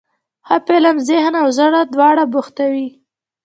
ښه فلم ذهن او زړه دواړه بوختوي.